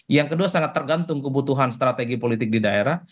yang kedua sangat tergantung kebutuhan strategi politik di daerah